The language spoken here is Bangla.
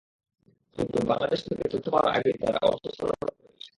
কিন্তু বাংলাদেশ থেকে তথ্য পাওয়ার আগেই তারা অর্থ স্থানান্তর করে ফেলে।